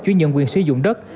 chuyển nhận quyền sử dụng đất